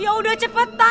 ya udah cepetan